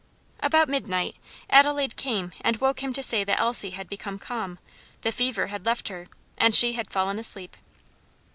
About midnight Adelaide came and woke him to say that Elsie had become calm, the fever had left her, and she had fallen asleep.